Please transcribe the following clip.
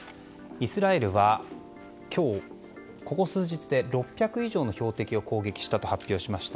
イスラエルは今日、ここ数日で６００以上の標的を攻撃したと発表しました。